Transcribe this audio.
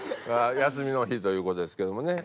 休みの日という事ですけどもね。